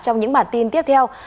trong những bản tin tiếp theo